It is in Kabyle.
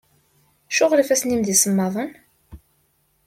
Acuɣer ifassen-im d isemmaḍen?